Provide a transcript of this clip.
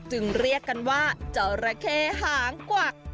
จึงเรียกกันว่าเจ้าระเคหางกวัก